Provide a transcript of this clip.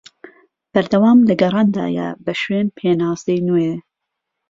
بەردەوام لە گەڕاندایە بە شوێن پێناسەی نوێ